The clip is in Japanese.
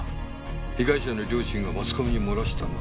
被害者の両親がマスコミに漏らしたのは。